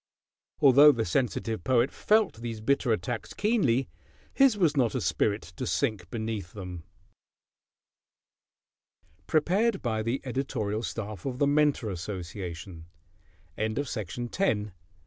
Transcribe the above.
Although the sensitive poet felt these bitter attacks keenly, his was not a spirit to sink beneath them. PREPARED BY THE EDITORIAL STAFF OF THE MENTOR ASSOCIATION ILLUSTRATION FOR THE MENTOR, VOL. 1. No. 44. SERIAL No.